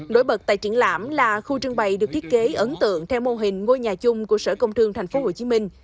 nổi bật tại triển lãm là khu trưng bày được thiết kế ấn tượng theo mô hình ngôi nhà chung của sở công thương tp hcm